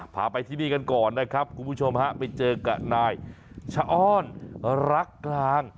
พาไปที่นี่กันก่อนนะครับคุณผู้ชมฮะไปเจอกับนายชะอ้อนรักกลาง